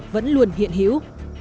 vẫn luôn hiện hiểu